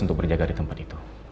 untuk berjaga di tempat itu